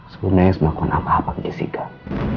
sebenarnya semakuan apa apa kegigikan